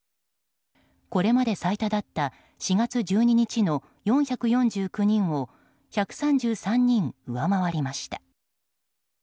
これまで最多だった４月１２日の４４９人を１３３人上回りました。